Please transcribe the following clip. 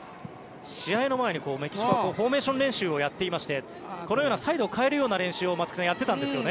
試合の前にメキシコはフォーメーション練習をやっていましてこのようなサイドを変えるような練習を松木さん、やってたんですよね。